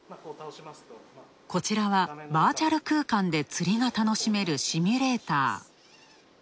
こちらはバーチャル空間で釣りが楽しめるシミュレーター。